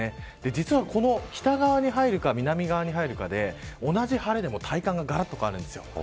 実はこの北側に入るか南側に入るかで同じ晴れでも体感が、がらっと変わるんです。